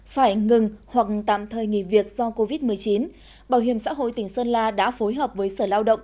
phải ngừng hoặc tạm thời nghỉ việc do covid một mươi chín bảo hiểm xã hội tỉnh sơn la đã phối hợp với sở lao động